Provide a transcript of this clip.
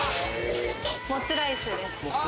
モツライスです。